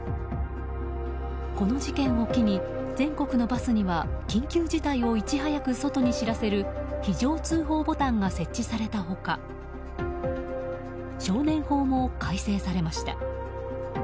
この事件を機に、全国のバスには緊急事態をいち早く外に知らせる非常通報ボタンが設置された他少年法も改正されました。